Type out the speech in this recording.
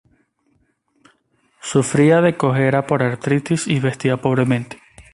Sufría de cojera por artritis y vestía pobremente.